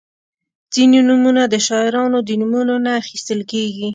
• ځینې نومونه د شاعرانو د نومونو نه اخیستل کیږي.